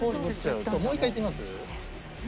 もう１回いってみます？